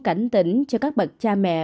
cảnh tỉnh cho các bậc cha mẹ